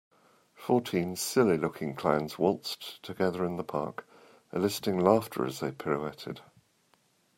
Fourteen silly looking clowns waltzed together in the park eliciting laughter as they pirouetted.